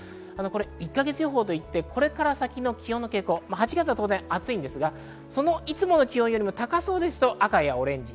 １か月予報と言って、これから先の気温の傾向を８月は当然暑いですが、いつもの気温よりも高そうですと赤やオレンジ。